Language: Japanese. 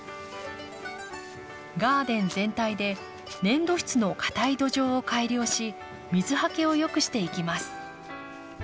ガーデン全体で粘土質のかたい土壌を改良し水はけをよくしていきます。